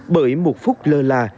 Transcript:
bởi một phút lơ là